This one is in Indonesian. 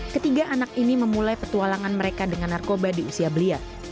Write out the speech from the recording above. ketiga anak ini memulai petualangan mereka dengan narkoba di usia belia